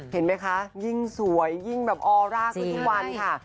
เห็นไหมคะยิ่งสวยยิ่งแบบออร่าขึ้นทุกวันค่ะ